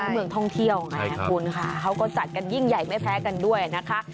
เมืองท่องเที่ยวไงคุณค่ะเขาก็จัดกันยิ่งใหญ่ไม่แพ้กันด้วยนะคะ